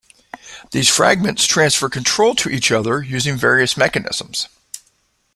These fragments transfer control to each other using various mechanisms.